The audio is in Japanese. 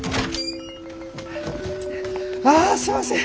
あすいません。